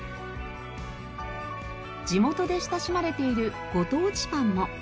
地元で親しまれているご当地パンも。